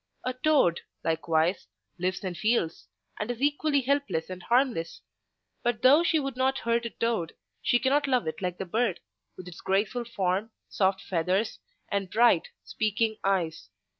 A toad, likewise, lives and feels, and is equally helpless and harmless; but though she would not hurt a toad, she cannot love it like the bird, with its graceful form, soft feathers, and bright, speaking eyes.